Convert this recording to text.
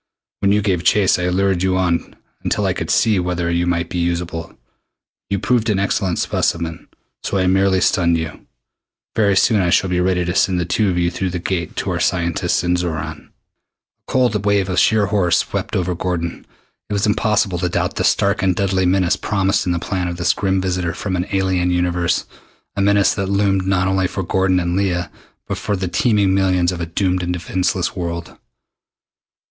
When you gave chase I lured you on until I could see whether you might be usable. You proved an excellent specimen, so I merely stunned you. Very soon now I shall be ready to send the two of you through the Gate to our scientists in Xoran." A cold wave of sheer horror swept over Gordon. It was impossible to doubt the stark and deadly menace promised in the plan of this grim visitor from an alien universe a menace that loomed not only for Gordon and Leah but for the teeming millions of a doomed and defenseless world.